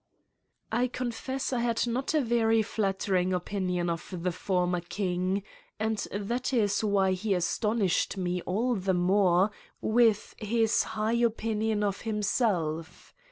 I confess I had not a very flattering opinion of the former king and that is why he astonished me all the more with his high opinion of himself.